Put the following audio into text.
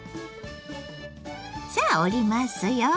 さあ折りますよ。